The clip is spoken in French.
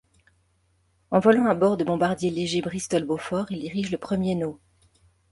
En volant à bord de bombardiers légers Bristol Beaufort, il dirige le premier No.